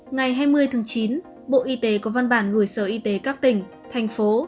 ngày hai mươi tháng chín bộ y tế có văn bản gửi sở y tế các tỉnh thành phố